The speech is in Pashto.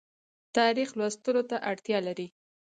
تاریخ لوستلو ته اړتیا لري